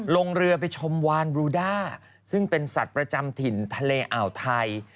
ลงเรือไปชมวานบรูด้าซึ่งเป็นสัตว์ประจำถิ่นทะเลอ่าวไทย